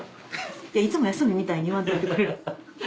いつも休みみたいに言わんといてくれる？